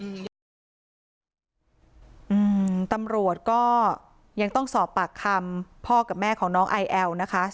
อืมตำรวจก็ยังต้องสอบปากคำพ่อกับแม่ของน้องไอแอลนะคะ